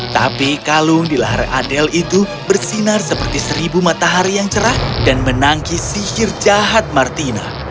tapi kalung di lahar adel itu bersinar seperti seribu matahari yang cerah dan menangki sihir jahat martina